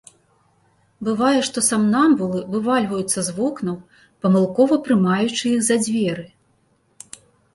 Бывае, што самнамбулы вывальваюцца з вокнаў, памылкова прымаючы іх за дзверы.